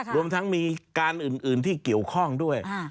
รวมทั้งมีการอื่นที่เกี่ยวข้องด้วย